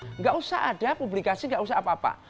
tidak usah ada publikasi nggak usah apa apa